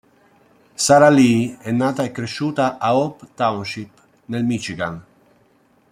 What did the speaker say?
Sara Lee è nata e cresciuta a Hope Township, nel Michigan.